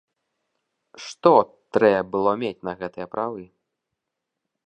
Што трэ было мець на гэтыя правы?